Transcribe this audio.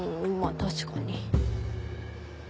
確かに。